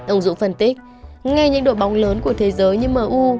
ông dũng phân tích ngay những đội bóng lớn của thế giới như m u